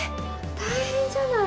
大変じゃない。